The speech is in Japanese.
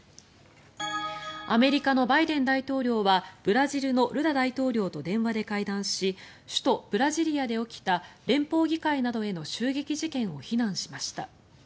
アメリカのバイデン大統領はブラジルのルラ大統領と電話で会談し首都ブラジリアで起きた連邦議会などへの襲撃事件を非難しました。